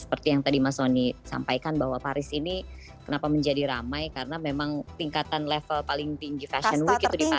seperti yang tadi mas sony sampaikan bahwa paris ini kenapa menjadi ramai karena memang tingkatan level paling tinggi fashion week itu di paris